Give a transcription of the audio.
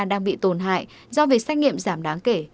đang bị tổn hại do việc xét nghiệm giảm đáng kể